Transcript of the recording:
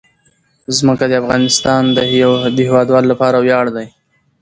ځمکه د افغانستان د هیوادوالو لپاره ویاړ دی.